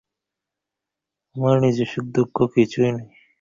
তো, আপনি প্রাণ সংশয়ের ধারণা করছেন?